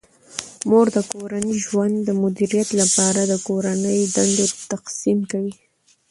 مور د کورني ژوند د مدیریت لپاره د کورني دندو تقسیم کوي.